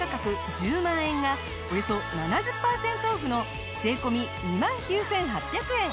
１０万円がおよそ７０パーセントオフの税込２万９８００円。